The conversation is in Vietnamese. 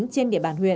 trên địa bàn huyện